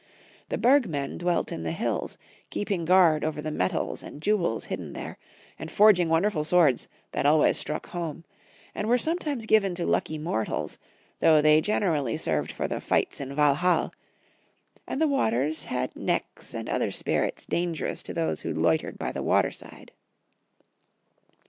The Bergmen dwelt in the hills, keeping guard over the metals and jewels hidden there, and forging wonderful swords that alwaj'^s struck home, and were sometimes given to lucky mortals, though they generally served for the fights in ValhaU; and the waters had Necks and other spuits dangerous to those who loitered by the water side.